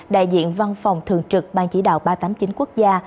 đại diện văn phòng thường trực ban chỉ đạo ba trăm tám mươi chín quốc gia